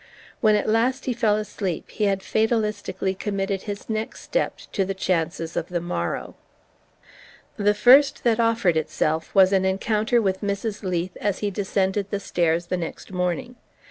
When at last he fell asleep he had fatalistically committed his next step to the chances of the morrow. The first that offered itself was an encounter with Mrs. Leath as he descended the stairs the next morning.